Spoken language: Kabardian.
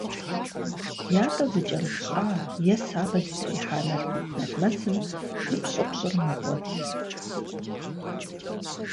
Ятӏэ зыкӏэрыпщӏа е сабэ зытрихьа налкъутналмэсым и пщӏыпщӏыр мэкӏуэд.